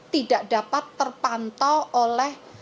tidak dapat terpantau oleh